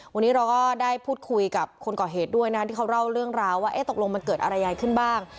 วันนี้เราก็ได้พูดคุยกับคนก่อเหตุด้วยนะที่เขาเล่าเรื่องราวว่าตกลงมันเกิดอะไรยังไงขึ้นบ้าง